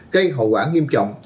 gây hậu quả nghiêm trọng